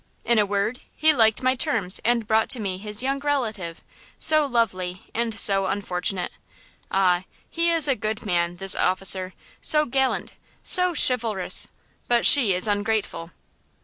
In a word, he liked my terms and brought to me his young relative, so lovely and so unfortunate. Ah! he is a good man, this officer, so gallant, so chivalrous; but she is ungrateful!"